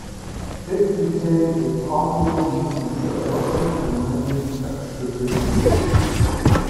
It became a popular movie, but Russell demanded extradition.